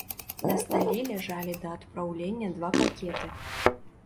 На стале ляжалі да адпраўлення два пакеты.